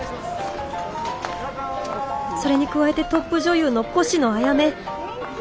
それに加えてトップ女優の越乃彩梅。